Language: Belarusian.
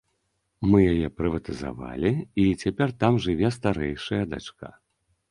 Мы яе прыватызавалі, і цяпер там жыве старэйшая дачка.